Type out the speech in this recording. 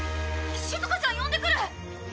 しずかちゃん呼んでくる！